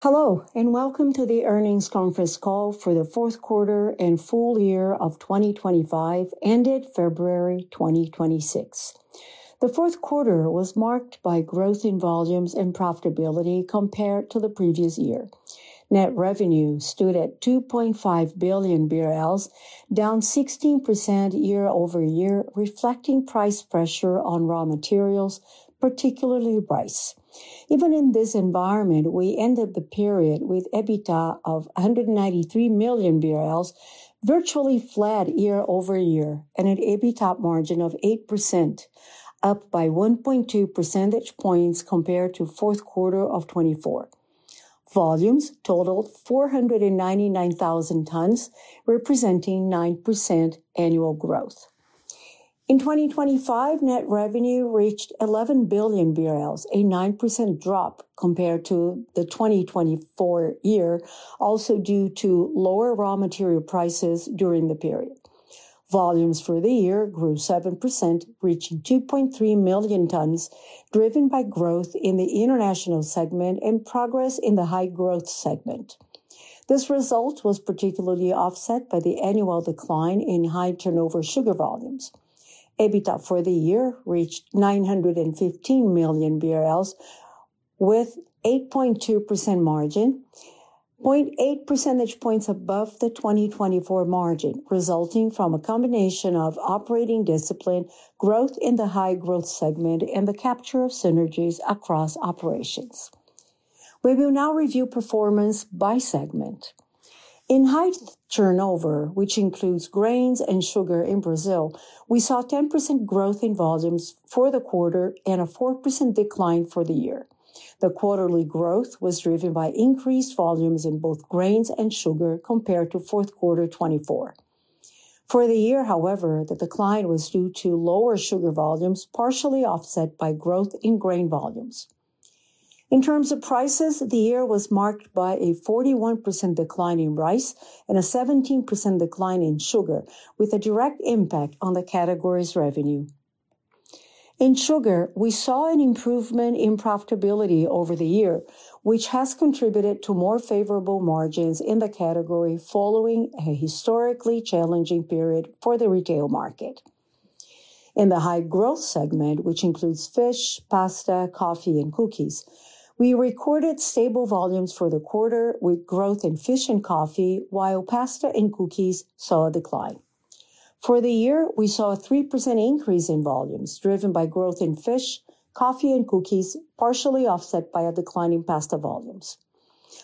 Hello, welcome to the earnings conference call for the fourth quarter and full year of 2025, ended February 2026. The fourth quarter was marked by growth in volumes and profitability compared to the previous year. Net revenue stood at 2.5 billion BRL, down 16% year-over-year, reflecting price pressure on raw materials, particularly rice. Even in this environment, we ended the period with EBITDA of 193 million BRL, virtually flat year-over-year, and an EBITDA margin of 8%, up by 1.2 percentage points compared to fourth quarter of 2024. Volumes totaled 499,000 tons, representing 9% annual growth. In 2025, net revenue reached 11 billion BRL, a 9% drop compared to the 2024 year, also due to lower raw material prices during the period. Volumes for the year grew 7%, reaching 2.3 million tons, driven by growth in the international segment and progress in the high-growth segment. This result was particularly offset by the annual decline in high-turnover sugar volumes. EBITDA for the year reached 915 million BRL with 8.2% margin, 0.8 percentage points above the 2024 margin, resulting from a combination of operating discipline, growth in the high-growth segment, and the capture of synergies across operations. We will now review performance by segment. In high-turnover, which includes grains and sugar in Brazil, we saw 10% growth in volumes for the quarter and a 4% decline for the year. The quarterly growth was driven by increased volumes in both grains and sugar compared to fourth quarter 2024. For the year however, the decline was due to lower sugar volumes, partially offset by growth in grain volumes. In terms of prices, the year was marked by a 41% decline in rice and a 17% decline in sugar, with a direct impact on the category's revenue. In sugar, we saw an improvement in profitability over the year, which has contributed to more favorable margins in the category following a historically challenging period for the retail market. In the high-growth segment, which includes fish, pasta, coffee, and cookies, we recorded stable volumes for the quarter with growth in fish and coffee, while pasta and cookies saw a decline. For the year, we saw a 3% increase in volumes, driven by growth in fish, coffee, and cookies, partially offset by a decline in pasta volumes.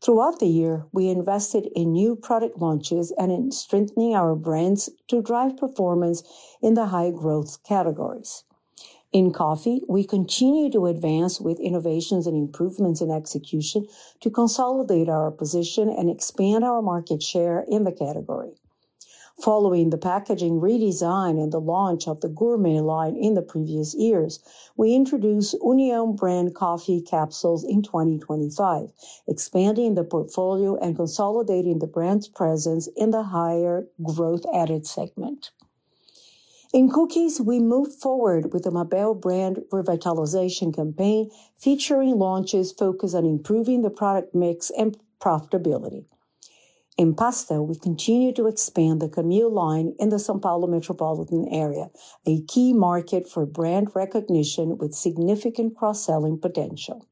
Throughout the year, we invested in new product launches and in strengthening our brands to drive performance in the high-growth categories. In coffee, we continue to advance with innovations and improvements in execution to consolidate our position and expand our market share in the category. Following the packaging redesign and the launch of the gourmet line in the previous years, we introduced União brand coffee capsules in 2025, expanding the portfolio and consolidating the brand's presence in the higher growth added segment. In cookies, we moved forward with the Mabel brand revitalization campaign, featuring launches focused on improving the product mix and profitability. In pasta, we continue to expand the Camil line in the São Paulo metropolitan area, a key market for brand recognition with significant cross-selling potential.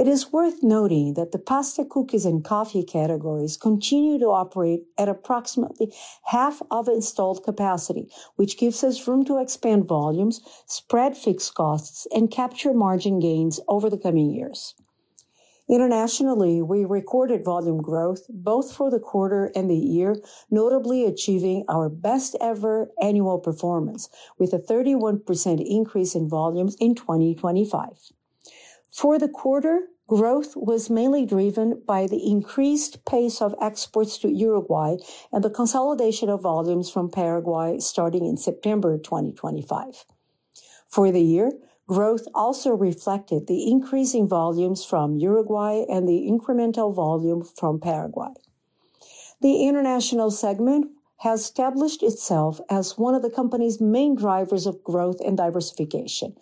It is worth noting that the pasta, cookies, and coffee categories continue to operate at approximately half of installed capacity, which gives us room to expand volumes, spread fixed costs, and capture margin gains over the coming years. Internationally, we recorded volume growth both for the quarter and the year, notably achieving our best ever annual performance, with a 31% increase in volumes in 2025. For the quarter, growth was mainly driven by the increased pace of exports to Uruguay and the consolidation of volumes from Paraguay starting in September 2025. For the year, growth also reflected the increasing volumes from Uruguay and the incremental volume from Paraguay. The international segment has established itself as one of the company's main drivers of growth and diversification.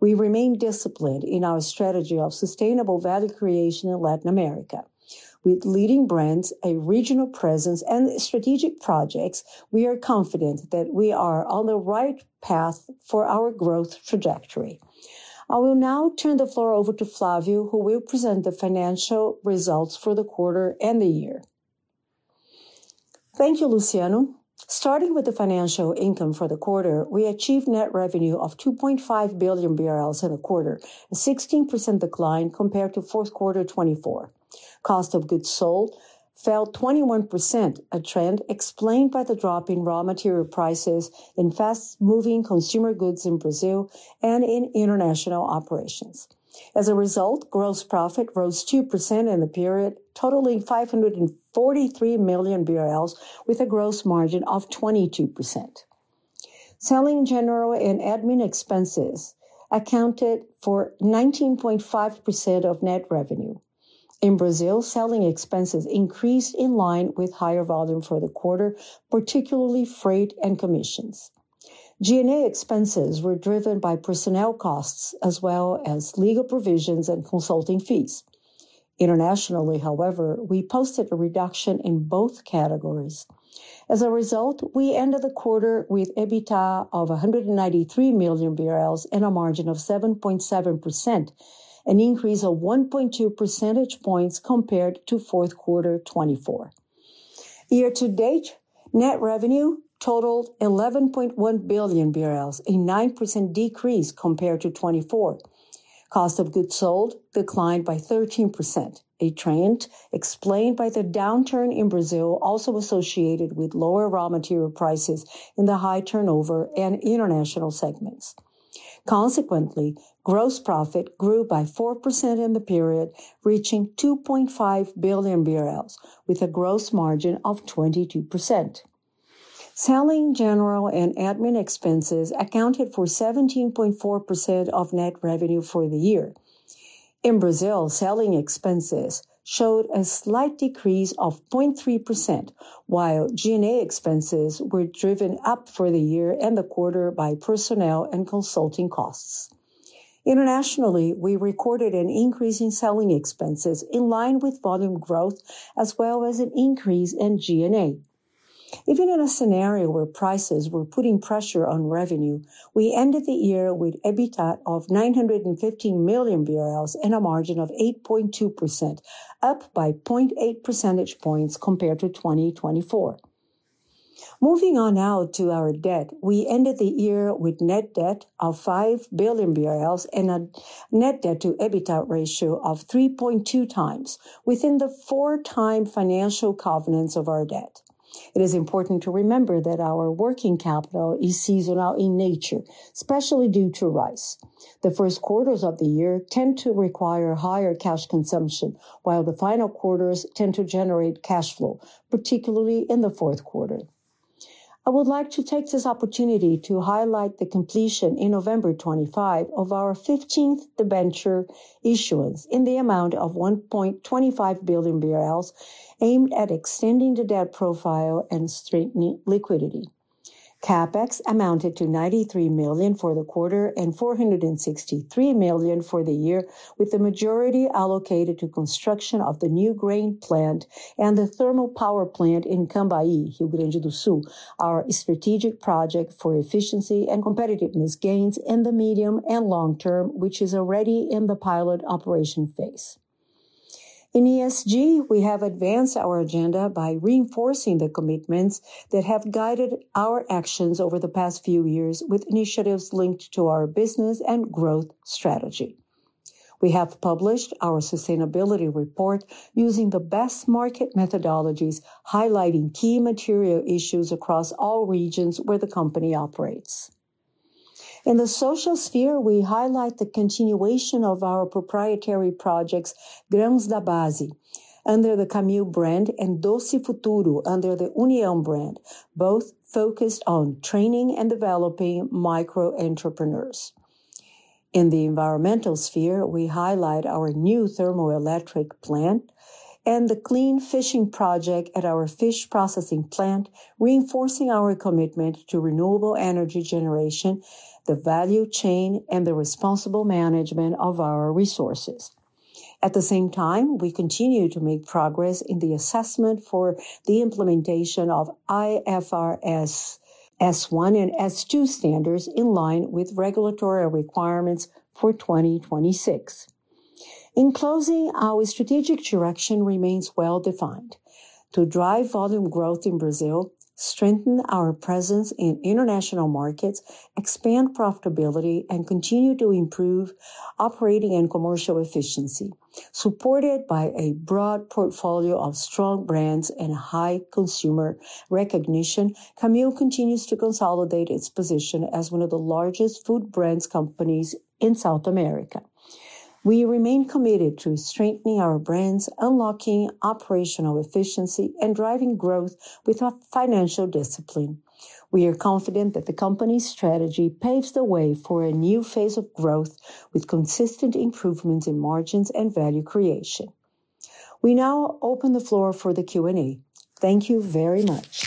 We remain disciplined in our strategy of sustainable value creation in Latin America. With leading brands, a regional presence, and strategic projects, we are confident that we are on the right path for our growth trajectory. I will now turn the floor over to Flavio, who will present the financial results for the quarter and the year. Thank you, Luciano. Starting with the financial income for the quarter, we achieved net revenue of 2.5 billion BRL in the quarter, a 16% decline compared to fourth quarter 2024. Cost of goods sold fell 21%, a trend explained by the drop in raw material prices in fast-moving consumer goods in Brazil and in international operations. As a result, gross profit rose 2% in the period, totaling 543 million BRL, with a gross margin of 22%. Selling, General and Admin expenses accounted for 19.5% of net revenue. In Brazil, selling expenses increased in line with higher volume for the quarter, particularly freight and commissions. G&A expenses were driven by personnel costs as well as legal provisions and consulting fees. Internationally, however, we posted a reduction in both categories. As a result, we ended the quarter with EBITDA of 193 million BRL and a margin of 7.7%, an increase of 1.2 percentage points compared to fourth quarter 2024. Year-to-date, net revenue totaled 11.1 billion BRL, a 9% decrease compared to 2024. Cost of goods sold declined by 13%, a trend explained by the downturn in Brazil, also associated with lower raw material prices in the high turnover and international segments. Consequently, gross profit grew by 4% in the period, reaching 2.5 billion BRL with a gross margin of 22%. Selling, general, and admin expenses accounted for 17.4% of net revenue for the year. In Brazil, selling expenses showed a slight decrease of 0.3%, while G&A expenses were driven up for the year and the quarter by personnel and consulting costs. Internationally, we recorded an increase in selling expenses in line with volume growth, as well as an increase in G&A. Even in a scenario where prices were putting pressure on revenue, we ended the year with EBITDA of 950 million BRL and a margin of 8.2%, up by 0.8 percentage points compared to 2024. Moving on now to our debt, we ended the year with net debt of 5 billion BRL and a net debt to EBITDA ratio of 3.2x within the four times financial covenants of our debt. It is important to remember that our working capital is seasonal in nature, especially due to rice. The first quarters of the year tend to require higher cash consumption, while the final quarters tend to generate cash flow, particularly in the fourth quarter. I would like to take this opportunity to highlight the completion in November 2025 of our 15th debenture issuance in the amount of 1.25 billion BRL aimed at extending the debt profile and strengthening liquidity. CapEx amounted to 93 million for the quarter and 463 million for the year, with the majority allocated to construction of the new grain plant and the thermal power plant in Camaquã, Rio Grande do Sul, our strategic project for efficiency and competitiveness gains in the medium and long term, which is already in the pilot operation phase. In ESG, we have advanced our agenda by reinforcing the commitments that have guided our actions over the past few years with initiatives linked to our business and growth strategy. We have published our sustainability report using the best market methodologies, highlighting key material issues across all regions where the company operates. In the social sphere, we highlight the continuation of our proprietary projects, Grãos da Base, under the Camil brand, and Doce Futuro under the União brand, both focused on training and developing micro entrepreneurs. In the environmental sphere, we highlight our new thermoelectric plant and the clean fishing project at our fish processing plant, reinforcing our commitment to renewable energy generation, the value chain, and the responsible management of our resources. At the same time, we continue to make progress in the assessment for the implementation of IFRS S1 and S2 standards in line with regulatory requirements for 2026. In closing, our strategic direction remains well defined. To drive volume growth in Brazil, strengthen our presence in international markets, expand profitability, and continue to improve operating and commercial efficiency. Supported by a broad portfolio of strong brands and high consumer recognition, Camil continues to consolidate its position as one of the largest food brands companies in South America. We remain committed to strengthening our brands, unlocking operational efficiency, and driving growth with our financial discipline. We are confident that the company's strategy paves the way for a new phase of growth with consistent improvements in margins and value creation. We now open the floor for the Q&A. Thank you very much.